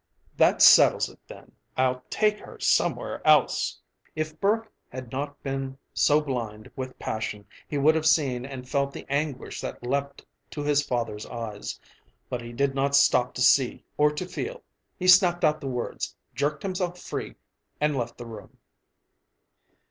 "That settles it, then: I'll take her somewhere else." If Burke had not been so blind with passion he would have seen and felt the anguish that leaped to his father's eyes. But he did not stop to see or to feel. He snapped out the words, jerked himself free, and left the room.